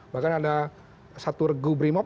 bahkan ada satu regu brimob